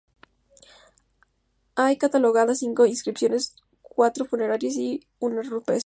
Hay catalogadas cinco inscripciones, cuatro funerarias y una rupestre.